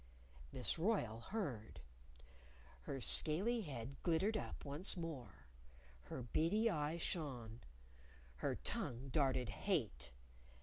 Miss Royle heard. Her scaly head glittered up once more. Her beady eyes shone. Her tongue darted hate.